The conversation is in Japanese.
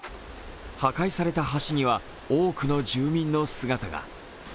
破壊された橋には多くの住民の姿が。